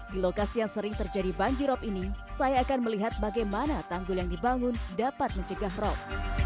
di lokasi yang sering terjadi banjirop ini saya akan melihat bagaimana tanggul yang dibangun dapat mencegah rop